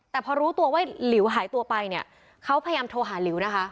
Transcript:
แต่พอรู้ตัวว่าหลิวหายตัวไปเนี่ยเขาพยายามโทรหาหลิวนะคะ